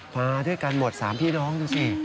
มาด้วยกันหมด๓พี่น้องดูสิ